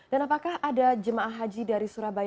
dan apakah ada jemaah haji dari surabaya